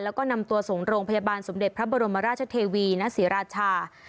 แล้วก็นำตัวส่งโรงพยาบาลสมเด็จพระบรมราชเทวีณศรีราชา